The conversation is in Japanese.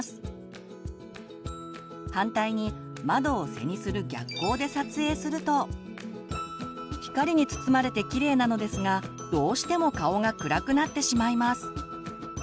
反対に窓を背にする逆光で撮影すると光に包まれてきれいなのですがどうしても顔が暗くなってしまいます。